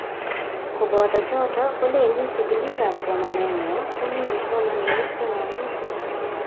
Koboto choto, kolenii chikilii ab somanee yokomii kipsomaninik che ng'omen.